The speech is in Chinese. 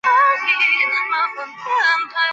在拿破仑战争中它多次被占领。